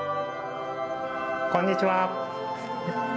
こんにちは。